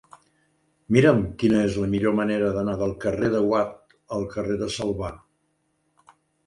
Mira'm quina és la millor manera d'anar del carrer de Watt al carrer de Salvà.